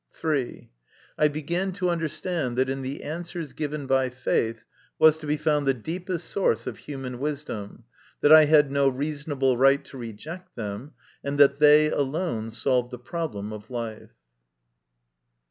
(3) I began to understand that in the answers given by faith was to be found the deepest source of human wisdom, that I had no reasonable right to reject them, and that they alone solved the problem of life.